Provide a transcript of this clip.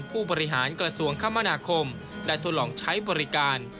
ผู้บริหารกระทรวงคมนาคมได้ทดลองใช้บริการ